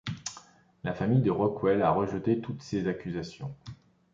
La famille de Rockwell a rejeté toutes ces accusations.